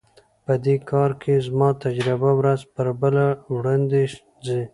په دې کار کې زما تجربه ورځ په ورځ وړاندي ځي.